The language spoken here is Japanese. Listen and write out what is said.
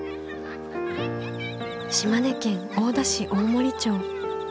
島根県大田市大森町。